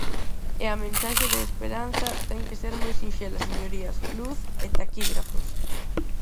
E a mensaxe de esperanza ten que ser moi sinxela, señorías: luz e taquígrafos.